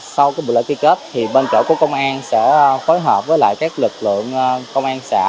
sau cái buổi lễ ký kết thì bên chỗ của công an sẽ phối hợp với lại các lực lượng công an xã